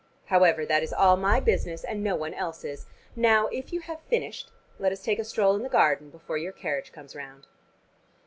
However, that is all my business, and no one else's. Now, if you have finished, let us take a stroll in the garden before your carriage comes round."